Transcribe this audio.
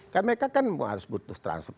karena mereka kan harus butuh transport